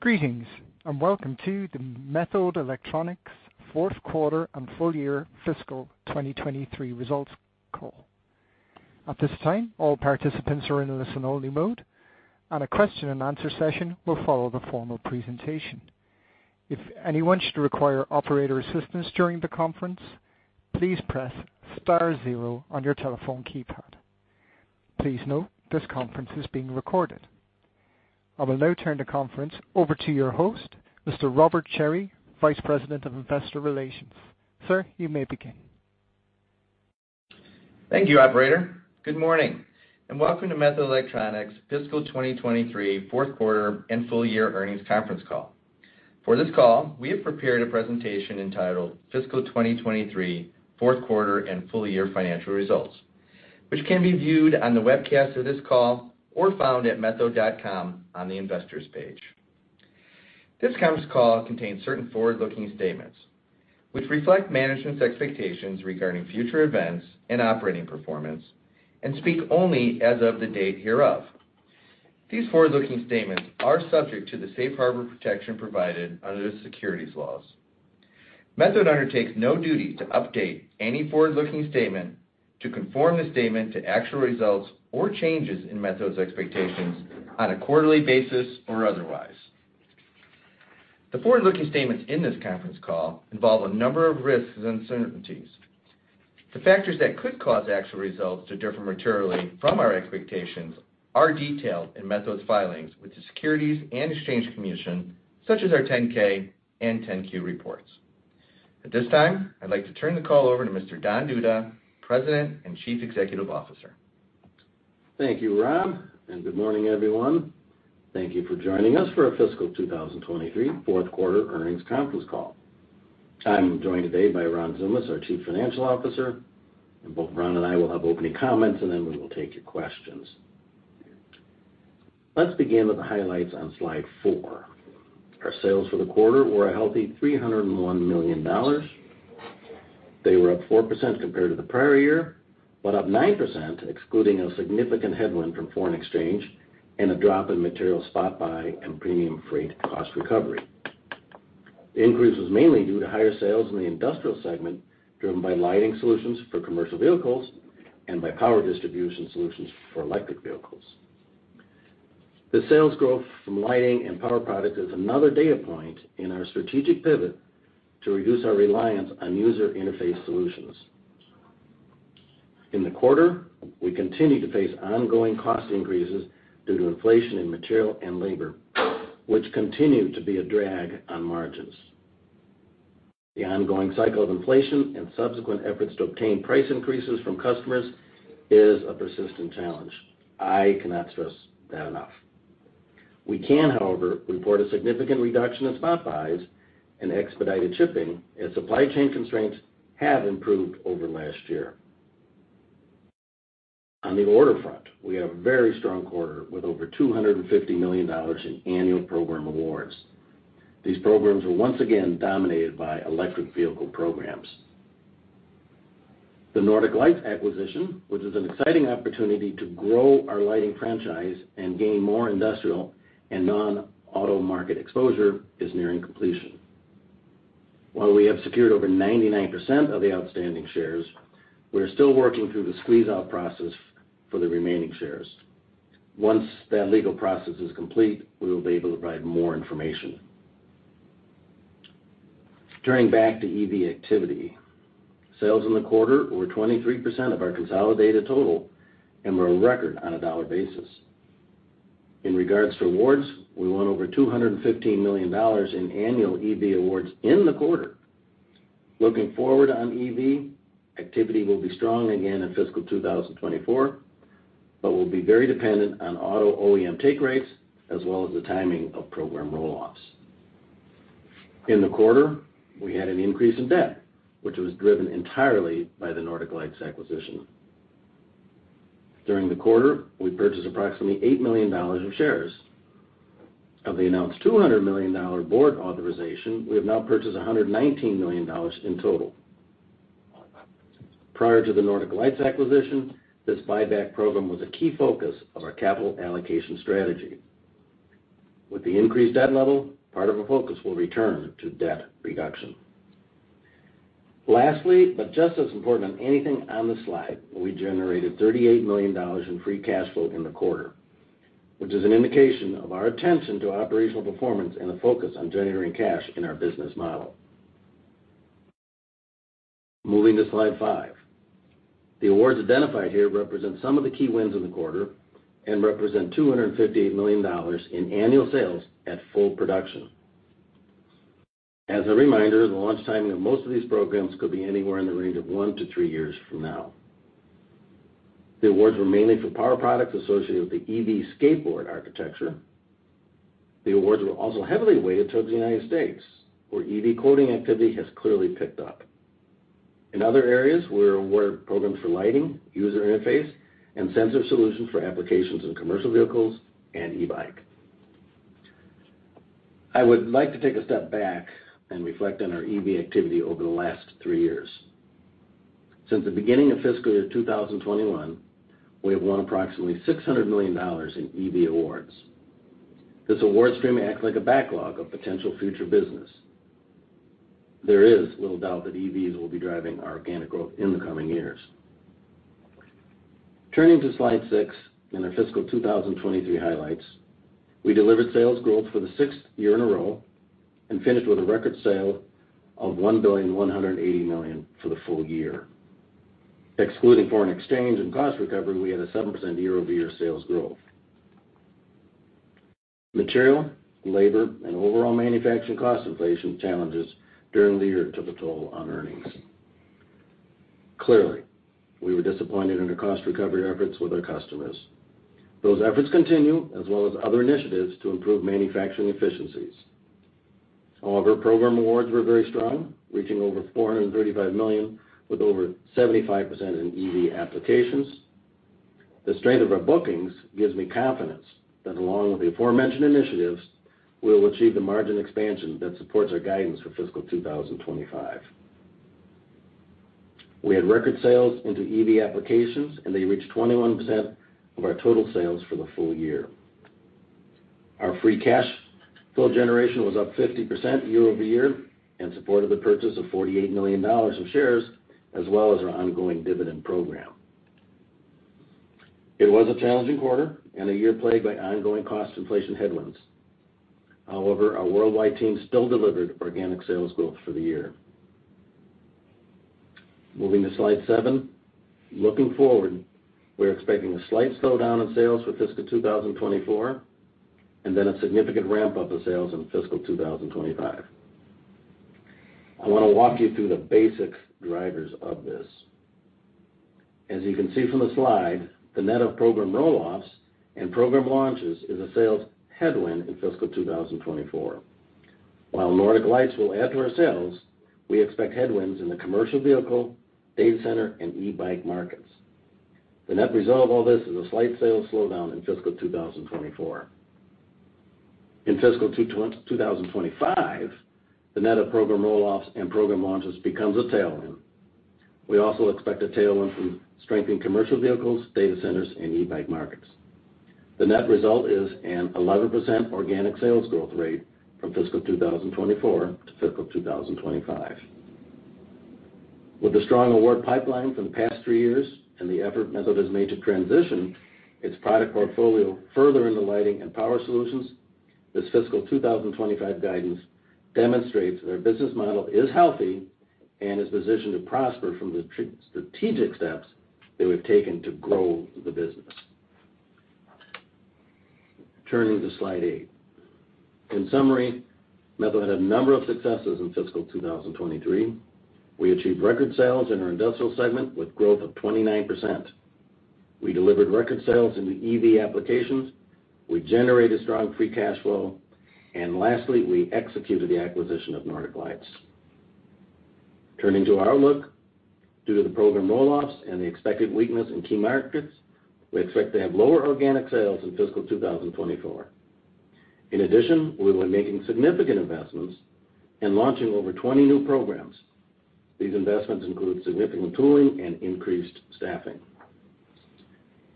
Greetings, and welcome to the Methode Electronics Q4 and full year fiscal 2023 results call. At this time, all participants are in listen-only mode, and a question-and-answer session will follow the formal presentation. If anyone should require operator assistance during the conference, please press star zero on your telephone keypad. Please note, this conference is being recorded. I will now turn the conference over to your host, Mr. Robert Cherry, Vice President of Investor Relations. Sir, you may begin. Thank you, operator. Good morning, and welcome to Methode Electronics fiscal 2023, Q4 and full year earnings conference call. For this call, we have prepared a presentation entitled Fiscal 2023, Q4 and Full Year Financial Results, which can be viewed on the webcast of this call or found at methode.com on the Investors page. This conference call contains certain forward-looking statements which reflect management's expectations regarding future events and operating performance, and speak only as of the date hereof. These forward-looking statements are subject to the safe harbor protection provided under the securities laws. Methode undertakes no duty to update any forward-looking statement to conform the statement to actual results or changes in Methode's expectations on a quarterly basis or otherwise. The forward-looking statements in this conference call involve a number of risks and uncertainties. The factors that could cause actual results to differ materially from our expectations are detailed in Methode's filings with the Securities and Exchange Commission, such as our 10-K and 10-Q reports. At this time, I'd like to turn the call over to Mr. Don Duda, President and Chief Executive Officer. Thank you, Rob, good morning, everyone. Thank you for joining us for our fiscal 2023 Q4 earnings conference call. I'm joined today by Ron Tsoumas, our Chief Financial Officer, and both Ron and I will have opening comments, and then we will take your questions. Let's begin with the highlights on slide four. Our sales for the quarter were a healthy $301 million. They were up 4% compared to the prior year, but up 9%, excluding a significant headwind from foreign exchange and a drop in material spot buy and premium freight cost recovery. The increase was mainly due to higher sales in the industrial segment, driven by lighting solutions for commercial vehicles and by power distribution solutions for electric vehicles. The sales growth from lighting and power products is another data point in our strategic pivot to reduce our reliance on user interface solutions. In the quarter, we continued to face ongoing cost increases due to inflation in material and labor, which continued to be a drag on margins. The ongoing cycle of inflation and subsequent efforts to obtain price increases from customers is a persistent challenge. I cannot stress that enough. We can, however, report a significant reduction in spot buys and expedited shipping as supply chain constraints have improved over last year. On the order front, we had a very strong quarter with over $250 million in annual program awards. These programs were once again dominated by electric vehicle programs. The Nordic Lights acquisition, which is an exciting opportunity to grow our lighting franchise and gain more industrial and non-auto market exposure, is nearing completion. While we have secured over 99% of the outstanding shares, we are still working through the squeeze-out process for the remaining shares. Once that legal process is complete, we will be able to provide more information. Turning back to EV activity. Sales in the quarter were 23% of our consolidated total and were a record on a dollar basis. In regards to awards, we won over $215 million in annual EV awards in the quarter. Looking forward on EV, activity will be strong again in fiscal 2024, but will be very dependent on auto OEM take rates as well as the timing of program roll-offs. In the quarter, we had an increase in debt, which was driven entirely by the Nordic Lights acquisition. During the quarter, we purchased approximately $8 million of shares. Of the announced $200 million board authorization, we have now purchased $119 million in total. Prior to the Nordic Lights acquisition, this buyback program was a key focus of our capital allocation strategy. With the increased debt level, part of the focus will return to debt reduction. Lastly, but just as important as anything on the slide, we generated $38 million in free cash flow in the quarter, which is an indication of our attention to operational performance and a focus on generating cash in our business model. Moving to slide five. The awards identified here represent some of the key wins in the quarter and represent $258 million in annual sales at full production. As a reminder, the launch timing of most of these programs could be anywhere in the range of one to three years from now. The awards were mainly for power products associated with the EV skateboard architecture. The awards were also heavily weighted towards the United States, where EV quoting activity has clearly picked up. In other areas, we were awarded programs for lighting, user interface, and sensor solutions for applications in commercial vehicles and e-bike. I would like to take a step back and reflect on our EV activity over the last three years. Since the beginning of fiscal year 2021, we have won approximately $600 million in EV awards. This award stream acts like a backlog of potential future business. There is little doubt that EVs will be driving our organic growth in the coming years. Turning to Slide six, in our fiscal 2023 highlights, we delivered sales growth for the sixth year in a row and finished with a record sale of $1.18 billion for the full year. Excluding foreign exchange and cost recovery, we had a 7% year-over-year sales growth. Material, labor, and overall manufacturing cost inflation challenges during the year took a toll on earnings. Clearly, we were disappointed in our cost recovery efforts with our customers. Those efforts continue, as well as other initiatives to improve manufacturing efficiencies. Program awards were very strong, reaching over $435 million, with over 75% in EV applications. The strength of our bookings gives me confidence that, along with the aforementioned initiatives, we will achieve the margin expansion that supports our guidance for fiscal 2025. We had record sales into EV applications. They reached 21% of our total sales for the full year. Our free cash flow generation was up 50% year-over-year and supported the purchase of $48 million of shares, as well as our ongoing dividend program. It was a challenging quarter and a year plagued by ongoing cost inflation headwinds. Our worldwide team still delivered organic sales growth for the year. Moving to Slide six. Looking forward, we're expecting a slight slowdown in sales for fiscal 2024. Then a significant ramp-up of sales in fiscal 2025. I want to walk you through the basic drivers of this. As you can see from the slide, the net of program roll-offs and program launches is a sales headwind in fiscal 2024. While Nordic Lights will add to our sales, we expect headwinds in the commercial vehicle, data center, and e-bike markets. The net result of all this is a slight sales slowdown in fiscal 2024. In fiscal 2025, the net of program roll-offs and program launches becomes a tailwind. We also expect a tailwind from strength in commercial vehicles, data centers, and e-bike markets. The net result is an 11% organic sales growth rate from fiscal 2024 to fiscal 2025. With a strong award pipeline from the past three years and the effort Methode Electronics has made to transition its product portfolio further into lighting and power solutions, this fiscal 2025 guidance demonstrates that our business model is healthy and is positioned to prosper from the strategic steps that we've taken to grow the business. Turning to Slide eight. In summary, Methode Electronics had a number of successes in fiscal 2023. We achieved record sales in our industrial segment, with growth of 29%. We delivered record sales into EV applications, we generated strong free cash flow, and lastly, we executed the acquisition of Nordic Lights. Turning to our outlook. Due to the program roll-offs and the expected weakness in key markets, we expect to have lower organic sales in fiscal 2024. In addition, we will be making significant investments and launching over 20 new programs. These investments include significant tooling and increased staffing.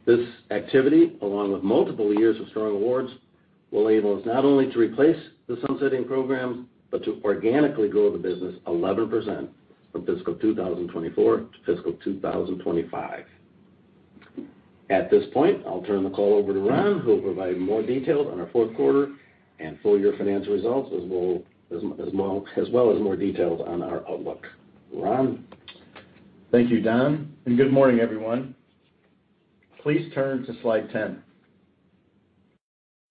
This activity, along with multiple years of strong awards, will enable us not only to replace the sunsetting programs, but to organically grow the business 11% from fiscal 2024 to fiscal 2025. At this point, I'll turn the call over to Ron, who will provide more details on our Q4 and full-year financial results, as well as more details on our outlook. Ron? Thank you, Don, and good morning, everyone. Please turn to Slide 10.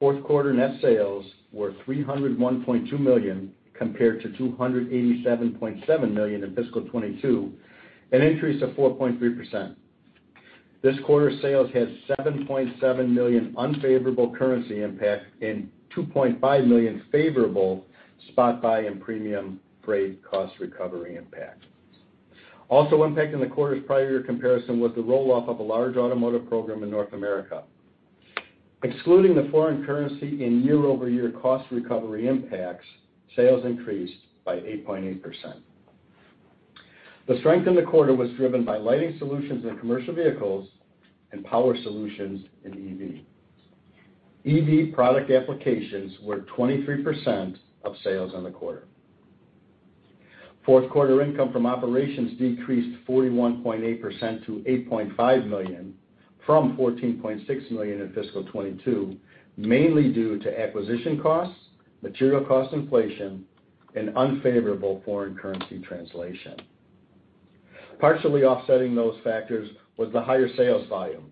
Q4 net sales were $301.2 million, compared to $287.7 million in fiscal 2022, an increase of 4.3%. This quarter's sales had $7.7 million unfavorable currency impact and $2.5 million favorable spot buy and premium freight cost recovery impact. Also impacting the quarter's prior year comparison was the roll-off of a large automotive program in North America. Excluding the foreign currency and year-over-year cost recovery impacts, sales increased by 8.8%. The strength in the quarter was driven by lighting solutions in commercial vehicles and power solutions in EV. EV product applications were 23% of sales in the quarter. Q4 income from operations decreased 41.8% to $8.5 million, from $14.6 million in fiscal 2022, mainly due to acquisition costs, material cost inflation, and unfavorable foreign currency translation. Partially offsetting those factors was the higher sales volume.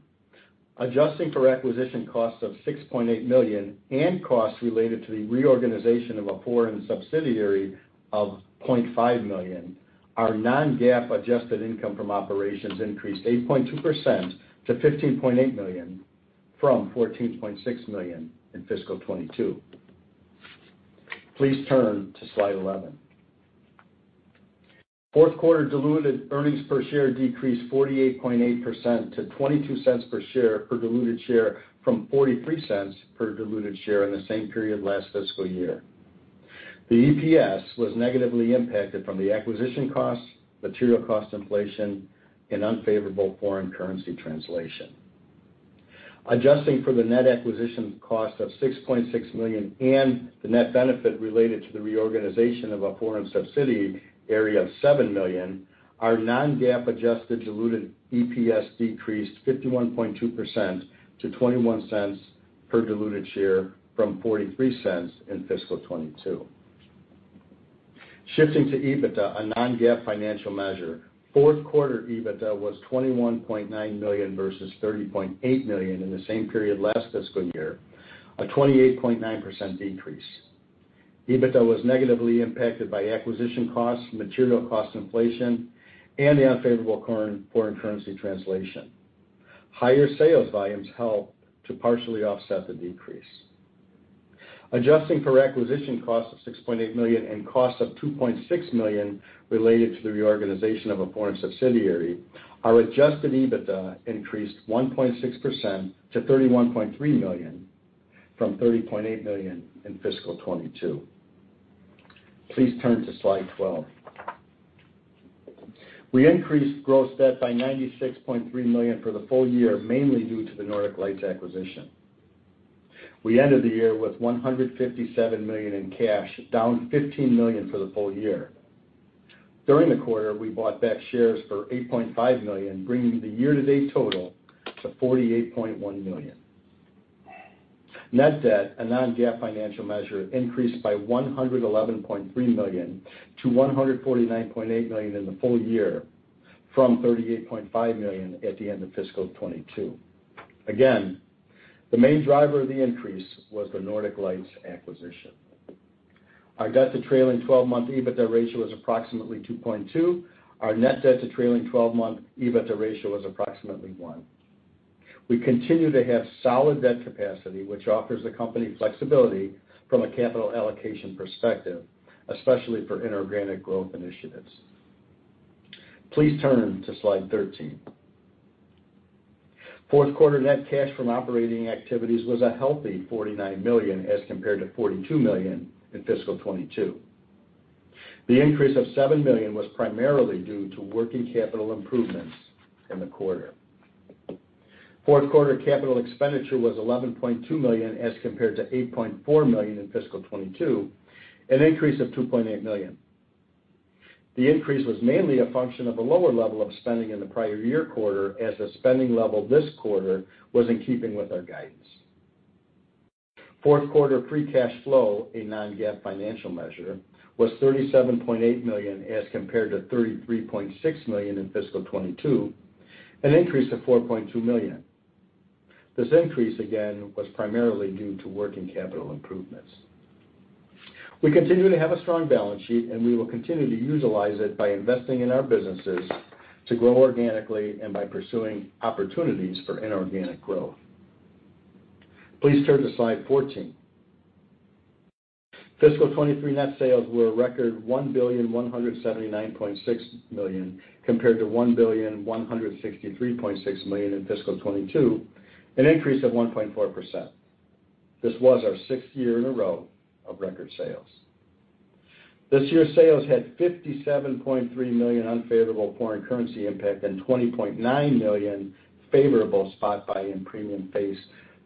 Adjusting for acquisition costs of $6.8 million and costs related to the reorganization of a foreign subsidiary of $0.5 million, our non-GAAP adjusted income from operations increased 8.2% to $15.8 million, from $14.6 million in fiscal 2022. Please turn to Slide 11. Q4 diluted earnings per share decreased 48.8% to $0.22 per diluted share from $0.43 per diluted share in the same period last fiscal year. The EPS was negatively impacted from the acquisition costs, material cost inflation, and unfavorable foreign currency translation. Adjusting for the net acquisition cost of $6.6 million and the net benefit related to the reorganization of a foreign subsidiary area of $7 million, our non-GAAP adjusted diluted EPS decreased 51.2% to $0.21 per diluted share from $0.43 in fiscal 2022. Shifting to EBITDA, a non-GAAP financial measure, Q4 EBITDA was $21.9 million versus $30.8 million in the same period last fiscal year, a 28.9% decrease. EBITDA was negatively impacted by acquisition costs, material cost inflation, and the unfavorable current foreign currency translation. Higher sales volumes helped to partially offset the decrease. Adjusting for acquisition costs of $6.8 million and costs of $2.6 million related to the reorganization of a foreign subsidiary, our adjusted EBITDA increased 1.6% to $31.3 million, from $30.8 million in fiscal 2022. Please turn to slide 12. We increased gross debt by $96.3 million for the full year, mainly due to the Nordic Lights acquisition. We ended the year with $157 million in cash, down $15 million for the full year. During the quarter, we bought back shares for $8.5 million, bringing the year-to-date total to $48.1 million. Net debt, a non-GAAP financial measure, increased by $111.3 million to $149.8 million in the full year, from $38.5 million at the end of fiscal 2022. The main driver of the increase was the Nordic Lights acquisition. Our debt to trailing 12 month EBITDA ratio is approximately 2.2. Our net debt to trailing 12 month EBITDA ratio is approximately one. We continue to have solid debt capacity, which offers the company flexibility from a capital allocation perspective, especially for inorganic growth initiatives. Please turn to slide 13. Q4 net cash from operating activities was a healthy $49 million, as compared to $42 million in fiscal 2022. The increase of $7 million was primarily due to working capital improvements in the quarter. Q4 capital expenditure was $11.2 million, as compared to $8.4 million in fiscal 2022, an increase of $2.8 million. The increase was mainly a function of a lower level of spending in the prior year quarter, as the spending level this quarter was in keeping with our guidance. Q4 free cash flow, a non-GAAP financial measure, was $37.8 million, as compared to $33.6 million in fiscal 2022, an increase of $4.2 million. This increase, again, was primarily due to working capital improvements. We continue to have a strong balance sheet, and we will continue to utilize it by investing in our businesses to grow organically and by pursuing opportunities for inorganic growth. Please turn to slide 14. Fiscal 2023 net sales were a record $1,179.6 million, compared to $1,163.6 million in fiscal 2022, an increase of 1.4%. This was our sixth year in a row of record sales. This year's sales had $57.3 million unfavorable foreign currency impact and $20.9 million favorable spot buy and premium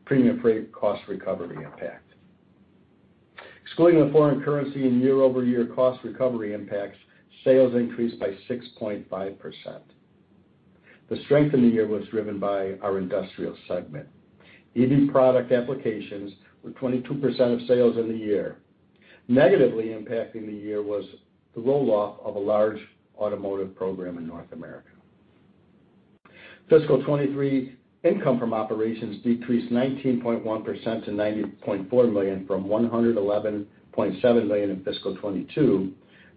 freight cost recovery impact. Excluding the foreign currency and year-over-year cost recovery impacts, sales increased by 6.5%. The strength in the year was driven by our industrial segment. EV product applications were 22% of sales in the year. Negatively impacting the year was the roll-off of a large automotive program in North America. Fiscal 2023 income from operations decreased 19.1% to $90.4 million, from $111.7 million in fiscal 2022,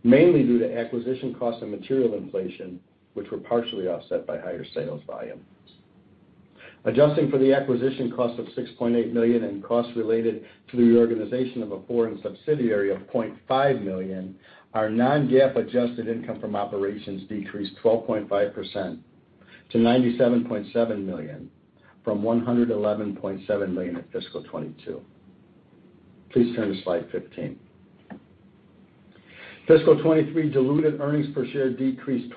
mainly due to acquisition costs and material inflation, which were partially offset by higher sales volumes. Adjusting for the acquisition cost of $6.8 million and costs related to the reorganization of a foreign subsidiary of $0.5 million, our non-GAAP adjusted income from operations decreased 12.5% to $97.7 million, from $111.7 million in fiscal 2022. Please turn to slide 15. Fiscal 2023 diluted earnings per share decreased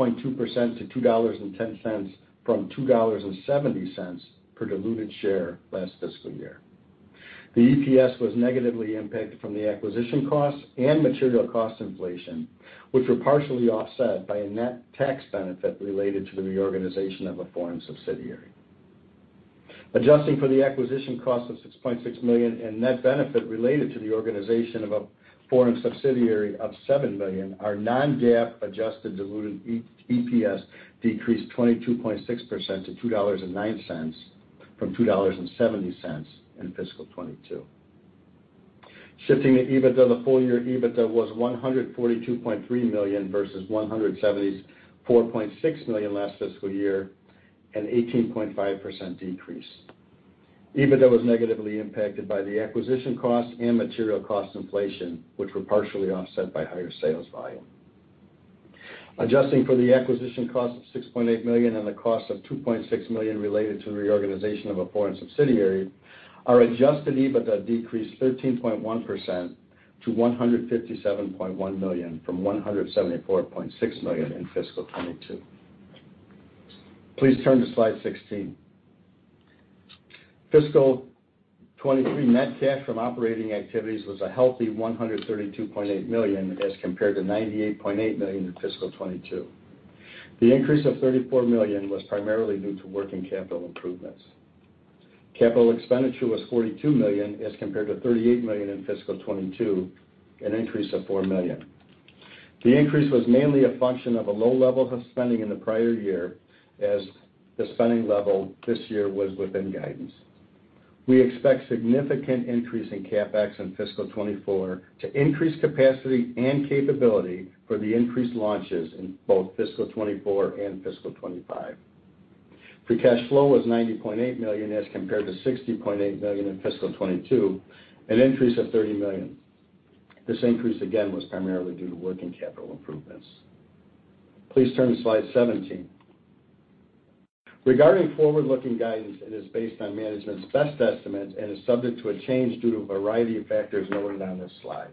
22.2% to $2.10, from $2.70 per diluted share last fiscal year. The EPS was negatively impacted from the acquisition costs and material cost inflation, which were partially offset by a net tax benefit related to the reorganization of a foreign subsidiary. Adjusting for the acquisition cost of $6.6 million and net benefit related to the organization of a foreign subsidiary of $7 million, our non-GAAP adjusted diluted EPS decreased 22.6% to $2.09, from $2.70 in fiscal 2022. Shifting to EBITDA, the full-year EBITDA was $142.3 million versus $174.6 million last fiscal year, an 18.5% decrease. EBITDA was negatively impacted by the acquisition costs and material cost inflation, which were partially offset by higher sales volume. Adjusting for the acquisition cost of $6.8 million and the cost of $2.6 million related to the reorganization of a foreign subsidiary, our adjusted EBITDA decreased 13.1% to $157.1 million from $174.6 million in fiscal 2022. Please turn to Slide 16. Fiscal 2023 net cash from operating activities was a healthy $132.8 million, as compared to $98.8 million in fiscal 2022. The increase of $34 million was primarily due to working capital improvements. Capital expenditure was $42 million as compared to $38 million in fiscal 2022, an increase of $4 million. The increase was mainly a function of a low level of spending in the prior year, as the spending level this year was within guidance. We expect significant increase in CapEx in fiscal 24 to increase capacity and capability for the increased launches in both fiscal 24 and fiscal 25. Free cash flow was $90.8 million as compared to $60.8 million in fiscal 22, an increase of $30 million. This increase, again, was primarily due to working capital improvements. Please turn to Slide 17. Regarding forward-looking guidance, it is based on management's best estimate and is subject to a change due to a variety of factors noted on this slide.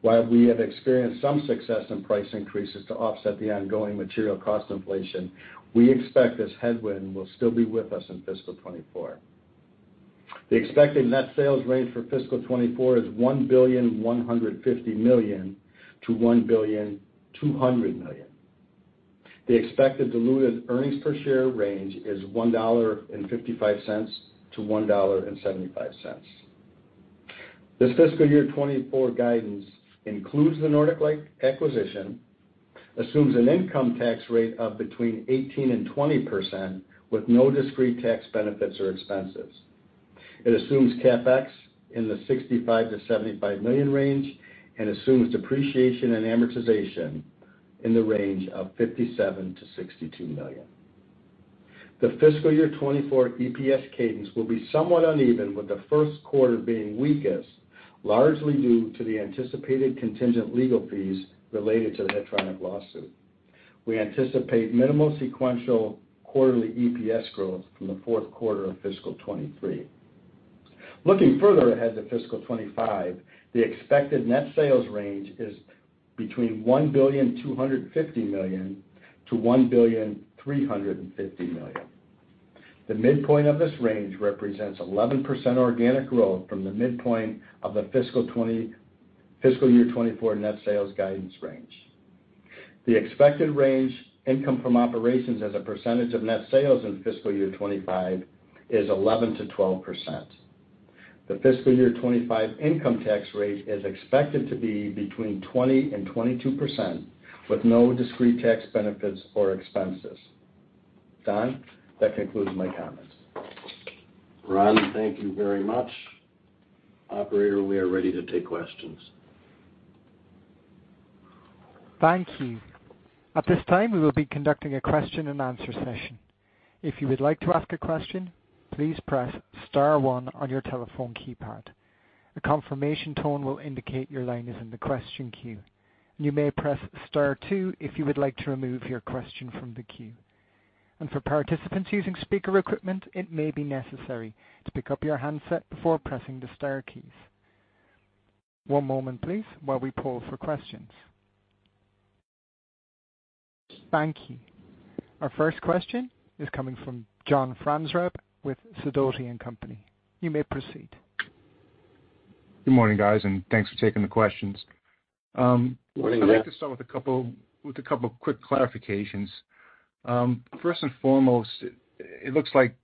While we have experienced some success in price increases to offset the ongoing material cost inflation, we expect this headwind will still be with us in fiscal 24. The expected net sales range for fiscal 24 is $1.15 billion to $1.2 billion. The expected diluted earnings per share range is $1.55 to $1.75. This fiscal year 2024 guidance includes the Nordic Lights acquisition, assumes an income tax rate of between 18% and 20%, with no discrete tax benefits or expenses. It assumes CapEx in the $65 million to $75 million range and assumes depreciation and amortization in the range of $57 million to $62 million. The fiscal year 2024 EPS cadence will be somewhat uneven, with the being weakest, largely due to the anticipated contingent legal fees related to the Medtronic lawsuit. We anticipate minimal sequential quarterly EPS growth from the Q4 of fiscal 2023. Looking further ahead to fiscal 2025, the expected net sales range is between $1.25 billion to $1.35 billion. The midpoint of this range represents 11% organic growth from the midpoint of the fiscal year 2024 net sales guidance range. The expected range income from operations as a percentage of net sales in fiscal year 2025 is 11% to 12%. The fiscal year 2025 income tax rate is expected to be between 20% and 22%, with no discrete tax benefits or expenses. Don, that concludes my comments. Ron, thank you very much. Operator, we are ready to take questions. Thank you. At this time, we will be conducting a question and answer session. If you would like to ask a question, please press star one on your telephone keypad. A confirmation tone will indicate your line is in the question queue. You may press star two if you would like to remove your question from the queue. For participants using speaker equipment, it may be necessary to pick up your handset before pressing the star keys. One moment please, while we poll for questions. Thank you. Our first question is coming from John Franzreb with Sidoti & Company. You may proceed. Good morning, guys, and thanks for taking the questions. Good morning, yeah. I'd like to start with a couple of quick clarifications. First and foremost, it looks like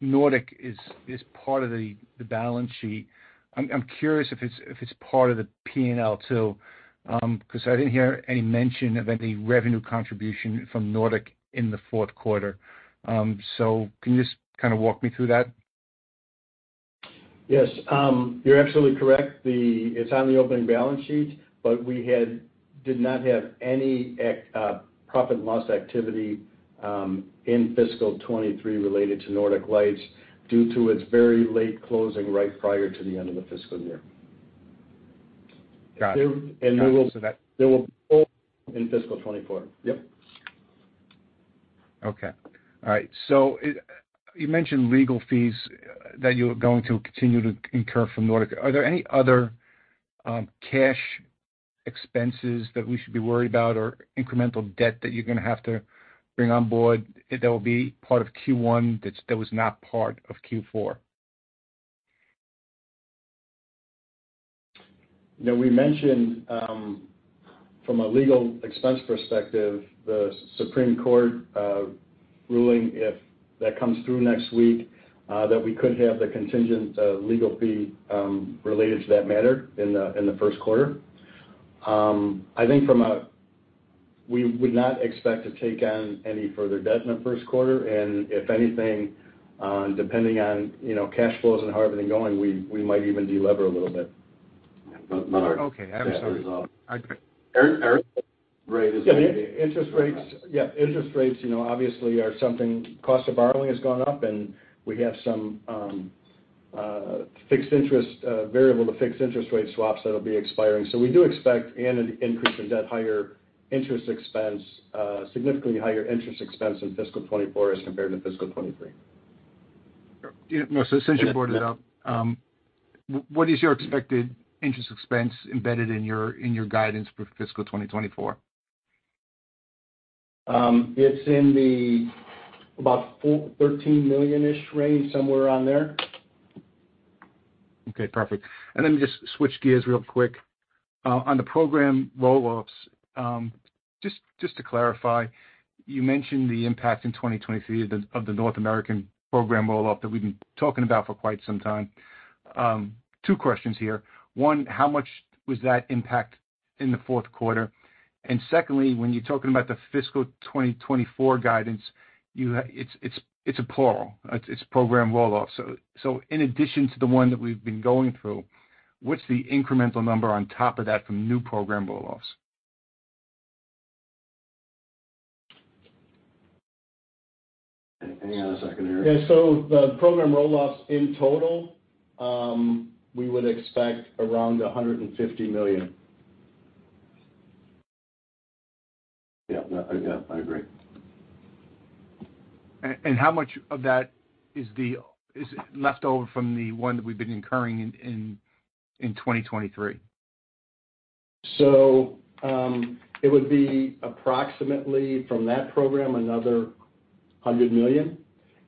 Nordic is part of the balance sheet. I'm curious if it's part of the P&L too, because I didn't hear any mention of any revenue contribution from Nordic in the Q4. Can you just kind of walk me through that? You're absolutely correct. It's on the opening balance sheet, but we did not have any profit and loss activity in fiscal 23 related to Nordic Lights due to its very late closing, right prior to the end of the fiscal year. Got it. So that. There will be in fiscal 2024. Yep. All right. You mentioned legal fees that you're going to continue to incur from Nordic Lights. Are there any other cash expenses that we should be worried about or incremental debt that you're gonna have to bring on board, that will be part of Q1, that was not part of Q4? You know, we mentioned, from a legal expense perspective, the Supreme Court ruling, if that comes through next week, that we could have the contingent legal fee related to that matter in the Q1. I think we would not expect to take on any further debt in the Q1, and if anything, depending on, you know, cash flows and how everything going, we might even delever a little bit. Okay, I'm sorry. Our interest rate. Interest rates, yeah, interest rates, you know, obviously are something, cost of borrowing has gone up, and we have some fixed interest, variable to fixed interest rate swaps that'll be expiring. We do expect an increase in debt, higher interest expense, significantly higher interest expense in fiscal 2024 as compared to fiscal 2023. Sure. You know, since you brought it up, what is your expected interest expense embedded in your, in your guidance for fiscal 2024? It's in the about $13 million-ish range, somewhere around there. Okay, perfect. Let me just switch gears real quick. On the program roll-offs, just to clarify, you mentioned the impact in 2023 of the North American program roll-off that we've been talking about for quite some time. Two questions here. One, how much was that impact in the Q4? Secondly, when you're talking about the fiscal 2024 guidance, you have, it's a plural, it's program roll-offs. In addition to the one that we've been going through, what's the incremental number on top of that from new program roll-offs? Hang on a second here. Yeah. The program roll-offs, in total, we would expect around $150 million. Yeah. Yeah, I agree. how much of that is left over from the one that we've been incurring in 2023? it would be approximately from that program, another $100 million.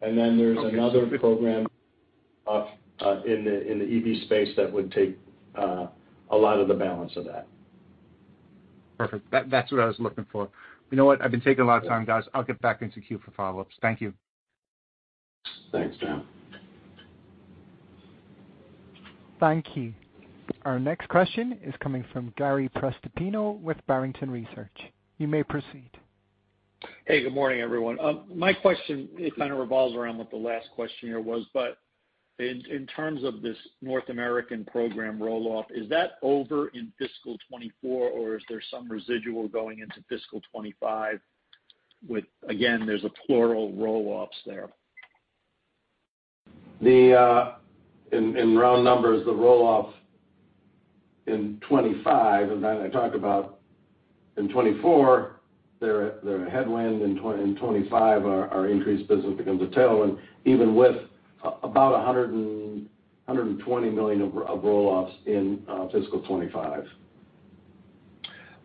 Okay. There's another program off, in the EV space that would take a lot of the balance of that. Perfect. That's what I was looking for. You know what? I've been taking a lot of time, guys. I'll get back into queue for follow-ups. Thank you. Thanks, John. Thank you. Our next question is coming from Gary Prestopino with Barrington Research. You may proceed. Hey, good morning, everyone. My question, it kind of revolves around what the last question here was, but in terms of this North American program roll-off, is that over in fiscal 2024, or is there some residual going into fiscal 2025, with, again, there's a plural roll-offs there? The In round numbers, the roll-off in 2025, and then I talk about in 2024, they're a headwind. In 2025, our increased business becomes a tailwind, even with about $120 million of roll-offs in fiscal 2025.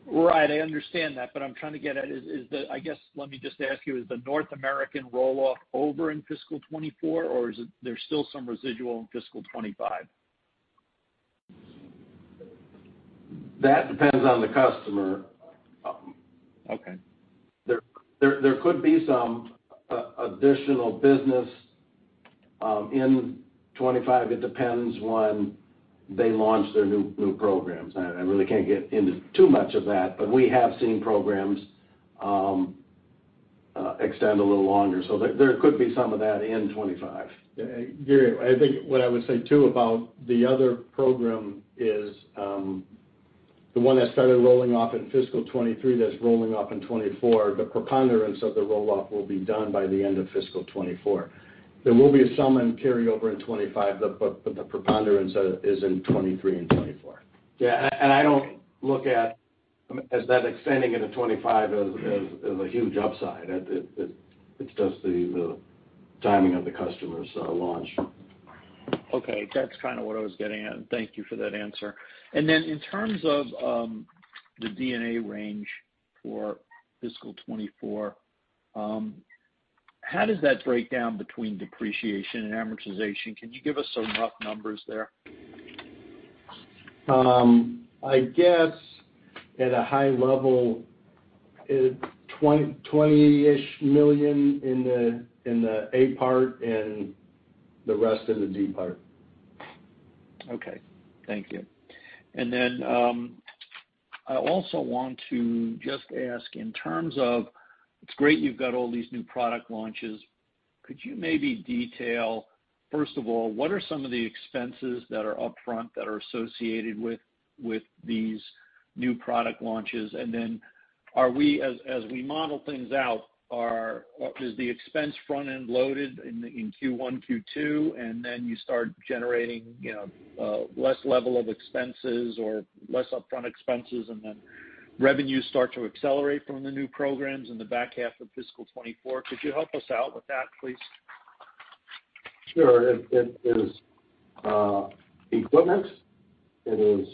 Right. I understand that, but I'm trying to get at is, I guess, let me just ask you, is the North American roll-off over in fiscal 24, or is it there's still some residual in fiscal 25? That depends on the customer. Okay. There could be some additional business in 25. It depends when they launch their new programs. I really can't get into too much of that, but we have seen programs extend a little longer. There could be some of that in 25. Yeah, Gary, I think what I would say, too, about the other program is, the one that started rolling off in fiscal 23, that's rolling off in 24, the preponderance of the roll-off will be done by the end of fiscal 24. There will be some carry over in 25, but the preponderance of it is in 23 and 24. Yeah, I don't look at as that extending into 2025 as a huge upside. It's just the timing of the customer's launch. Okay. That's kind of what I was getting at. Thank you for that answer. In terms of the D&A range for fiscal 2024, how does that break down between depreciation and amortization? Can you give us some rough numbers there? I guess at a high level, $20 million-ish in the, in the A part and the rest of the D part. Thank you. Then, I also want to just ask in terms of, it's great you've got all these new product launches. Could you maybe detail, first of all, what are some of the expenses that are upfront that are associated with these new product launches? Then, as we model things out, is the expense front-end loaded in Q1, Q2, and then you start generating, you know, less level of expenses or less upfront expenses, and then revenues start to accelerate from the new programs in the back half of fiscal 2024? Could you help us out with that, please? Sure. It is equipment. It is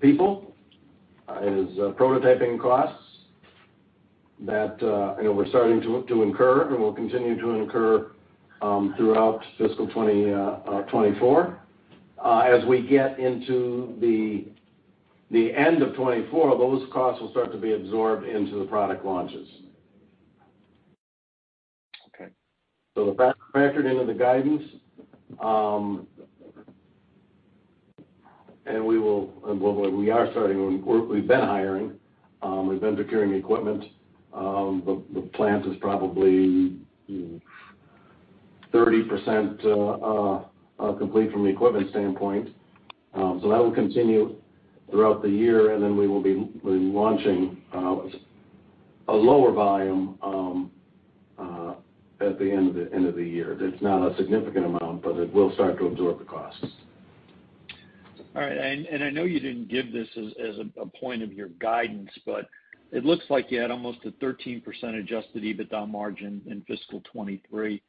people. It is prototyping costs that, you know, we're starting to incur and will continue to incur throughout fiscal 2024. As we get into the end of 2024, those costs will start to be absorbed into the product launches. Okay. That's factored into the guidance, and well, we are starting, we've been hiring, we've been procuring equipment. The plant is probably 30% complete from the equipment standpoint. That will continue throughout the year, and then we will be launching a lower volume, at the end of the year. That's not a significant amount, but it will start to absorb the costs. All right. I know you didn't give this as a point of your guidance, but it looks like you had almost a 13% adjusted EBITDA margin in fiscal 2023.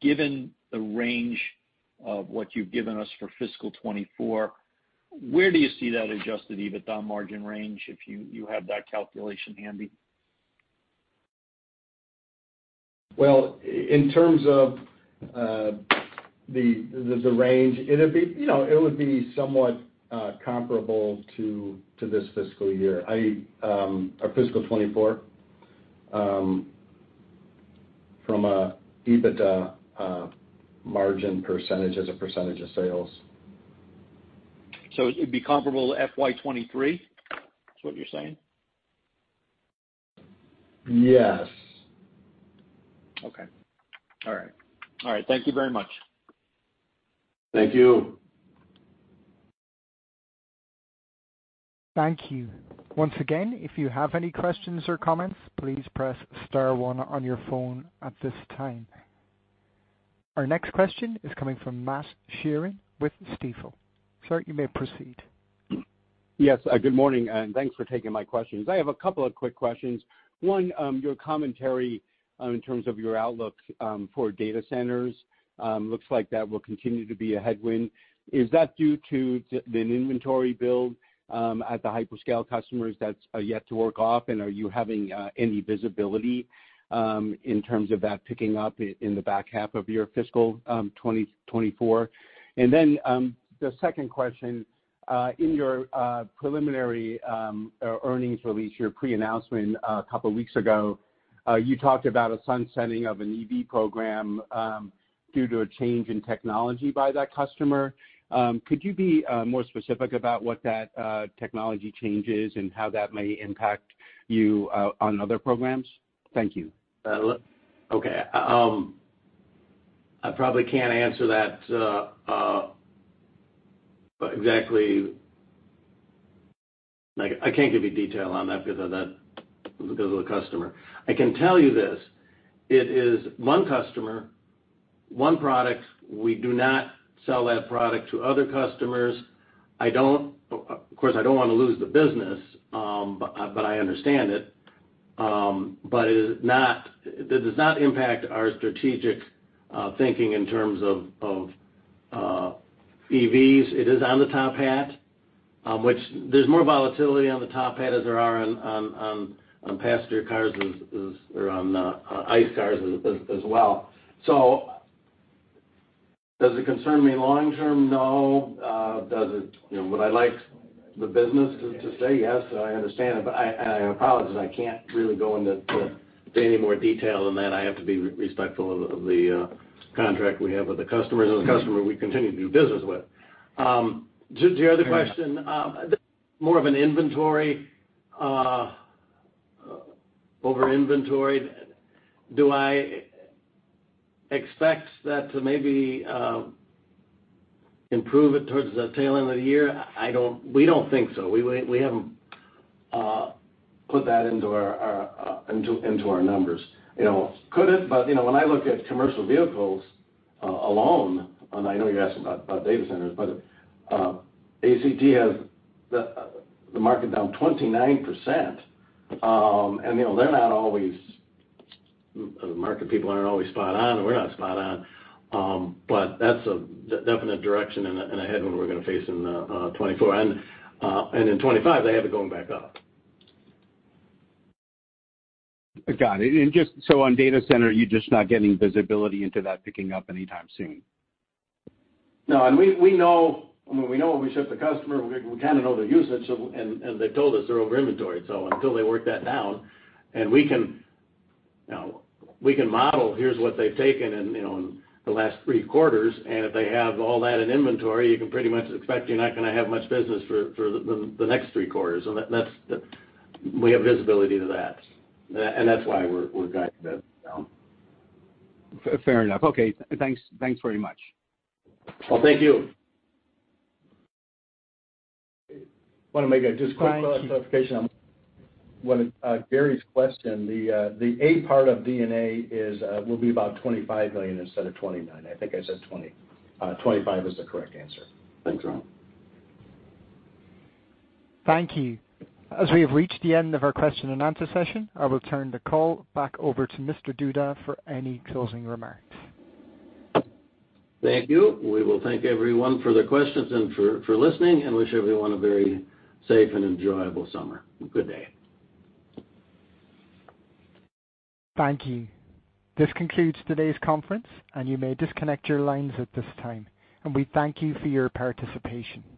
Given the range of what you've given us for fiscal 2024, where do you see that adjusted EBITDA margin range, if you have that calculation handy? Well, in terms of the range, it'd be, you know, it would be somewhat comparable to this fiscal year. Our fiscal 24, from a EBITDA margin parcentages as a percentages of sales. It'd be comparable to FY 23, is what you're saying? Yes. Okay. All right. All right, thank you very much. Thank you. Thank you. Once again, if you have any questions or comments, please press star one on your phone at this time. Our next question is coming from Matt Sheerin with Stifel. Sir, you may proceed. Yes, good morning, and thanks for taking my questions. I have a couple of quick questions. One, your commentary, in terms of your outlook, for data centers, looks like that will continue to be a headwind. Is that due to the, an inventory build, at the hyperscale customers that's yet to work off? Are you having any visibility, in terms of that picking up in the back half of your fiscal 2024? The second question, in your preliminary earnings release, your pre-announcement a couple of weeks ago, you talked about a sunsetting of an EV program, due to a change in technology by that customer. Could you be more specific about what that technology change is, and how that may impact you, on other programs? Thank you. Look, okay. I probably can't answer that exactly. Like, I can't give you detail on that because of that, because of the customer. I can tell you this, it is one customer, one product. We do not sell that product to other customers. I don't, of course, I don't want to lose the business, but I understand it. But it is not, it does not impact our strategic thinking in terms of EVs. It is on the top hat, which there's more volatility on the top hat as there are on passenger cars as around ICE cars as well. Does it concern me long term? No. Does it, you know, would I like the business to stay? Yes, I understand it, but I apologize, I can't really go into any more detail than that. I have to be respectful of the contract we have with the customers, and the customer we continue to do business with. To your other question, more of an inventory, over inventory. Do I expect that to maybe improve it towards the tail end of the year? We don't think so. We haven't put that into our numbers. You know, could it? When I look at commercial vehicles alone, and I know you're asking about data centers, ACT has the market down 29%. You know, they're not always. Market people aren't always spot on, and we're not spot on. That's a definite direction and a headwind we're gonna face in 2024. In 2025, they have it going back up. Got it. Just so on data center, you're just not getting visibility into that picking up anytime soon? No, we know, when we know what we ship the customer, we kinda know the usage, so, and they've told us they're over inventoried. Until they work that down, and we can, you know, we can model, here's what they've taken in, you know, in the last three quarters, and if they have all that in inventory, you can pretty much expect you're not gonna have much business for the next three quarters. That's the, we have visibility to that. That's why we're guiding that down. Fair enough. Okay, thanks. Thanks very much. Well, thank you. I wanna make a just quick clarification on what, Gary's question, the A part of D&A is, will be about $25 million instead of $29 million. I think I said $20 million. $25 million is the correct answer. Thanks, Ron. Thank you. As we have reached the end of our question and answer session, I will turn the call back over to Mr. Duda for any closing remarks. Thank you. We will thank everyone for their questions and for listening, and wish everyone a very safe and enjoyable summer. Good day. Thank you. This concludes today's conference, and you may disconnect your lines at this time. We thank you for your participation.